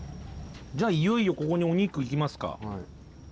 じゃあいよいよここにお肉いきますか。